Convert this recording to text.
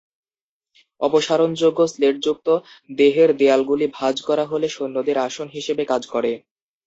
অপসারণযোগ্য স্লেটযুক্ত দেহের দেয়ালগুলি ভাঁজ করা হলে সৈন্যদের আসন হিসেবে কাজ করে।